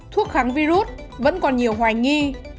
thuốc kháng virus vẫn còn nhiều hoài nghi